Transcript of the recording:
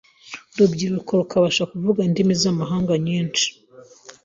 urubyiruko rukabasha kuvuga indimi zamahanga nyinshi